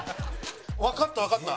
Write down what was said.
わかったわかった。